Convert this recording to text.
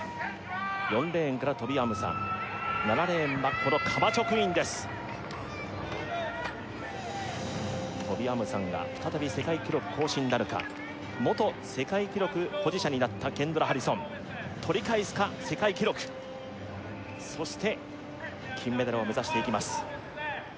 ４レーンからトビ・アムサン７レーンはこのカマチョクインですトビ・アムサンが再び世界記録更新なるか元世界記録保持者になったケンドラ・ハリソン取り返すか世界記録そして金メダルを目指していきます